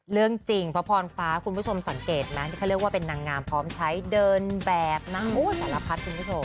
เรื่องจริงพระพรฟ้าคุณผู้ชมสังเกตไหมที่เขาเรียกว่าเป็นนางงามพร้อมใช้เดินแบบนะสารพัดคุณผู้ชม